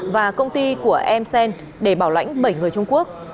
và công ty của em xen để bảo lãnh bảy người trung quốc